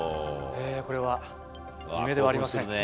これは夢ではありません。